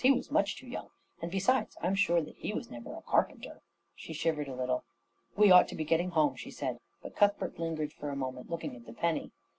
"He was much too young; and besides I'm sure that he was never a carpenter." She shivered a little. "We ought to be getting home," she said, but Cuthbert lingered for a moment, looking at the penny.